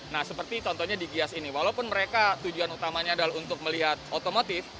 nah seperti contohnya di gias ini walaupun mereka tujuan utamanya adalah untuk melihat otomotif